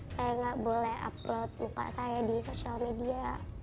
saya nggak boleh upload muka saya di sosial media